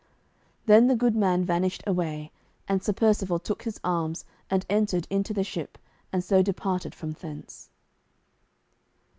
Then the good man vanished away, and Sir Percivale took his arms, and entered into the ship and so departed from thence.